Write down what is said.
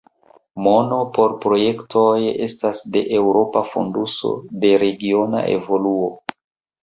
Mono por projektoj estas de Eŭropa fonduso de regiona evoluo.